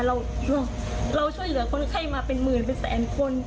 เราช่วยเหลือคนไข้มาเป็นหมื่นเป็นแสนคน